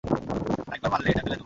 আরেকবার মারলে, এটা ফেলে দেবো!